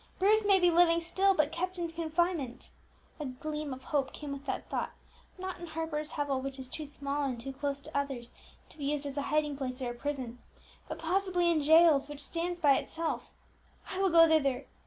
Bruce may be living still, but kept in confinement," a gleam of hope came with that thought, "not in Harper's hovel, which is too small and too close to others to be used as a hiding place or a prison, but possibly in Jael's, which stands by itself. I will go thither.